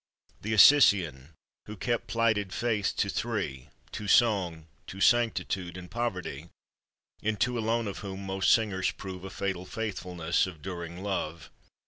The Assisian, who kept plighted faith to three, To Song, to Sanctitude, and Poverty, (In two alone of whom most singers prove A fatal faithfulness of during love!)